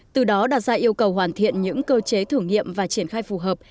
từ đó đặt ra yêu cầu hoàn thiện những cơ chế thử nghiệm và triển khai phù hợp